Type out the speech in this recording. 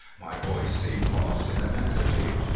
My voice seemed lost in immensity.